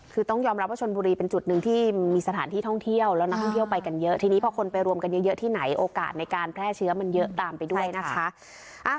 คือต้องยอมรับว่าชนบุรีเป็นจุดหนึ่งที่มีสถานที่ท่องเที่ยวแล้วนักท่องเที่ยวไปกันเยอะทีนี้พอคนไปรวมกันเยอะที่ไหนโอกาสในการแพร่เชื้อมันเยอะตามไปด้วยนะคะ